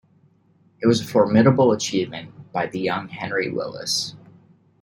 It was a formidable achievement by the young Henry Willis.